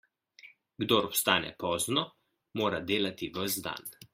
Kdor vstane pozno, mora delati ves dan.